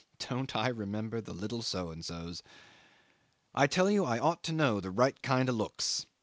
Don't I remember the little So and so's! I tell you I ought to know the right kind of looks.